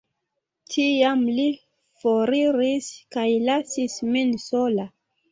Tiam li foriris kaj lasis min sola.